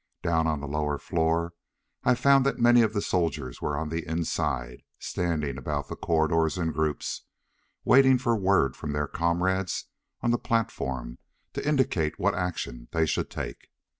Down on the lower floor I found that many of the soldiers were on the inside, standing about the corridors in groups, waiting for word from their comrades on the platform to indicate what action they should take.